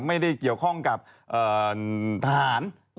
ไม่ได้เกี่ยวข้องกับทหาร